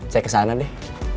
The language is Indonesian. saya kesana deh